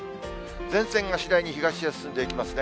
前線が次第に東へ進んでいきますね。